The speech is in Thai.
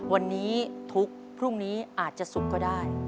วันนี้ทุกพรุ่งนี้อาจจะศุกร์ก็ได้